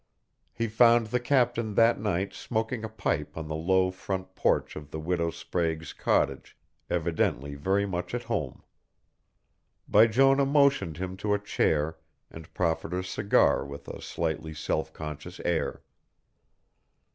He found the captain that night smoking a pipe on the low front porch of the Widow Sprague's cottage, evidently very much at home. Bijonah motioned him to a chair and proffered a cigar with a slightly self conscious air.